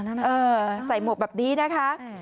เออใส่หมวกแบบนี้นะคะ